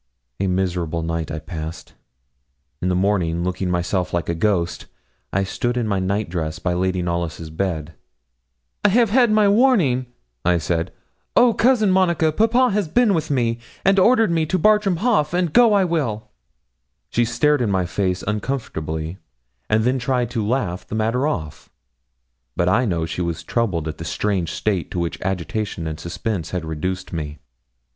A miserable night I passed. In the morning, looking myself like a ghost, I stood in my night dress by Lady Knollys' bed. 'I have had my warning,' I said. 'Oh, Cousin Monica, papa has been with me, and ordered me to Bartram Haugh; and go I will.' She stared in my face uncomfortably, and then tried to laugh the matter off; but I know she was troubled at the strange state to which agitation and suspense had reduced me.